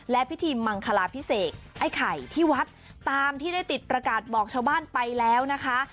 และพิธีมังคลาพิเศษไอ้ไข่ที่วัดตามที่ได้ติดประกาศบอกชาวบ้านไปแล้วนะคะ